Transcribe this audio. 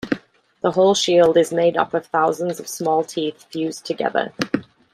The whole shield is made up of thousands of small teeth fused together.